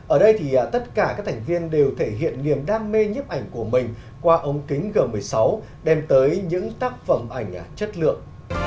ở đây thì tất cả các thành viên đều thể hiện niềm đam mê nhấp ảnh của mình qua ống kính g một mươi sáu đem tới những tác phẩm ảnh chất lượng